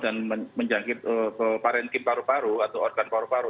dan menjangkit ke parentim paru paru atau organ paru paru